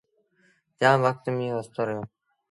جآم وکت ميݩهن وستو رهيو۔